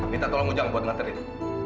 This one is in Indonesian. minta tolong ujang buat nganterin